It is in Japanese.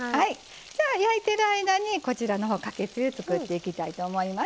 じゃあ焼いてる間にこちらのほうかけつゆ作っていきたいと思います。